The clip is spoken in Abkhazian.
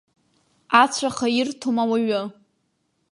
Ацәаха ирҭом уаҩы!